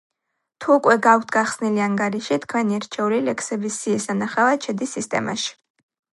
თუ უკვე გაქვთ გახსნილი ანგარიში, თქვენი რჩეული ლექსების სიის სანახავად შედის სისტემაში.